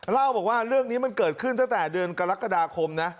เล่าบอกว่าเรื่องนี้มันเกิดขึ้นตั้งแต่เดือนกรกฎาคมนะ